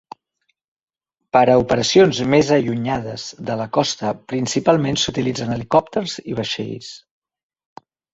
Per a operacions més allunyades de la costa principalment s'utilitzen helicòpters i vaixells.